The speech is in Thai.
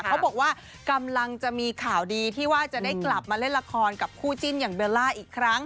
เขาบอกว่ากำลังจะมีข่าวดีที่ว่าจะได้กลับมาเล่นละครกับคู่จิ้นอย่างเบลล่าอีกครั้ง